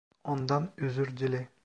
Ondan özür dile.